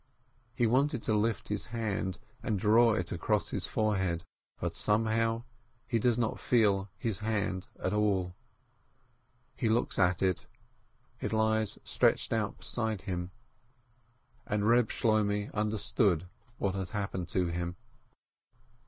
He wanted to lift his hand and draw it across his forehead, but somehow he does not feel his hand at all. He looks at it — it lies stretched out beside him. And Eeb Shloimeh under stood what had happened to him.